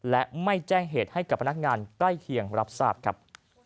และไม่แจ้งเหตุให้กับพนักงานใกล้เคียงรับทราบครับ